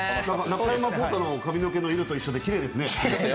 中山功太の髪の毛の色と同じできれいですね。